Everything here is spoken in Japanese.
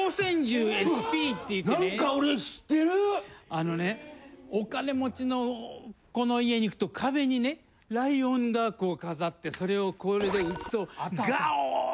あのねお金持ちの子の家に行くと壁にねライオンがこう飾ってそれをこれで撃つとガオーッ！